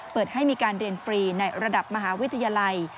เปิดให้มีการเรียนฟรีในระดับมหาวิทยาลัย